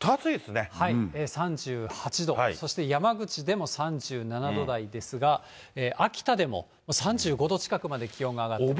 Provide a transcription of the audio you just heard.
３８度、そして山口でも３７度台ですが、秋田でも３５度近くまで気温が上がってます。